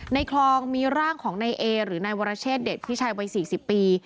ในคลองมีร่างของในเอหรือในวรเชศเด็ดที่ชายไว้๔๐ปี